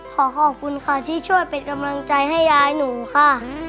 ขอขอบคุณค่ะที่ช่วยเป็นกำลังใจให้ยายหนูค่ะ